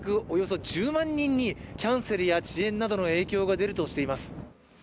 およそ１０万人にキャンセルや遅延などの影響が出るとしています